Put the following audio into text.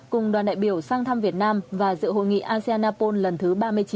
cùng đoàn đại biểu sang thăm việt nam và sự hội nghị asean napol lần thứ ba mươi chín